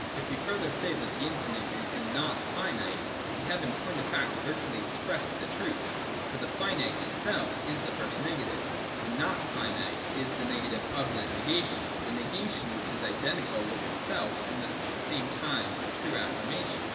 If we further say that the infinite is the not finite, we have in point of fact virtually expressed the truth : for as the finite itself is the first negative, the not finite is the negative of that negation, the negation which is identical with itself and thus at the same time a true affirmation.